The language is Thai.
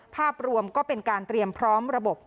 ภาพรวมก็เป็นการเตรียมพร้อมระบบ